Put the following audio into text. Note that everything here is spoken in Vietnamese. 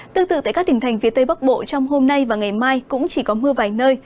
tương tự tại các tỉnh thành phía tây bắc bộ trong hôm nay và ngày mai cũng chỉ có mưa vài nơi